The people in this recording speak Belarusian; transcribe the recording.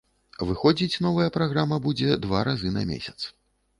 Выходзіць новая праграма будзе два разы на месяц.